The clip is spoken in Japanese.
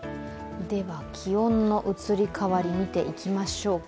気温の移り変わり見ていきましょうか。